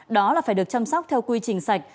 đó là phải được chăm sóc theo quy trình sạch